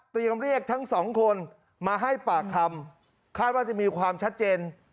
เรียกทั้งสองคนมาให้ปากคำคาดว่าจะมีความชัดเจน